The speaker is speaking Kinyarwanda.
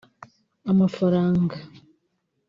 Amafaranga